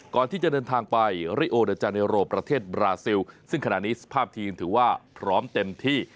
ก่อนที่จะเดินทางไปริโอเดอร์จาเนโรประเทศบราซิลซึ่งขณะนี้สภาพทีมถือว่าพร้อมเต็มที่